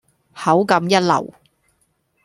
口感一流